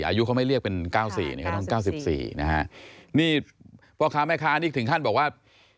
อายุเขาไม่เรียกเป็นเก้าสี่เขาต้องเก้าสิบสี่นะฮะนี่พ่อค้าแม่ค้านี่ถึงท่านบอกว่า